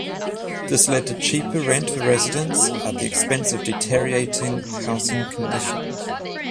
This led to cheaper rent for residents at the expense of deteriorating housing conditions.